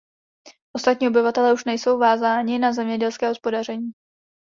Ostatní obyvatelé už nejsou vázáni na zemědělské hospodaření.